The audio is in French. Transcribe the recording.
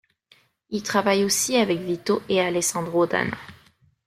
Il travailla aussi avec Vito et Alessandro d'Anna.